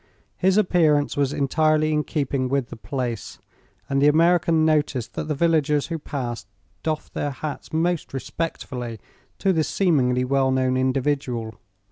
His appearance was entirely in keeping with the place, and the American noticed that the villagers who passed doffed their hats most respectfully to this seemingly well known individual.